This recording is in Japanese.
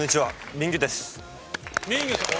ミンギュさん。